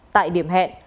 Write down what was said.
tại điểm hẹn hậu